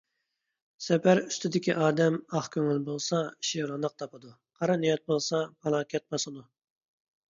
سەپەر ئۈستىدىكى ئادەم ئاق كۆڭۈل بولسا ئىشى روناق تاپىدۇ، قارا نىيەت بولسا پالاكەت باسىدۇ.